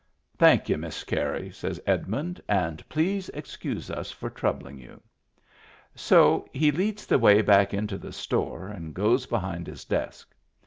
" Thank you. Miss Carey," says Edmund, "and please excuse us for troubling you." So he leads the way back into the store and goes behind his desk.